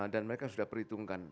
dan mereka sudah perhitungkan